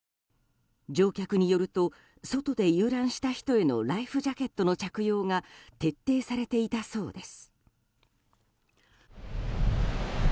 乗客によると外で遊覧した人へのライフジャケットの着用が徹底されていたそうです。